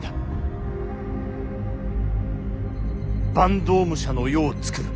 坂東武者の世をつくる。